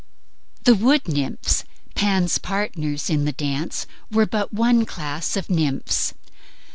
The wood nymphs, Pan's partners in the dance, were but one class of nymphs.